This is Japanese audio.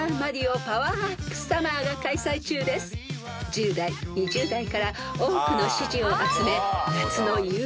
［１０代２０代から多くの支持を集め夏のＵＳＪ最高！